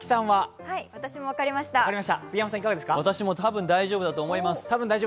私もたぶん、大丈夫だと思います。